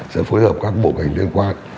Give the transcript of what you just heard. sẽ phối hợp các bộ ngành liên quan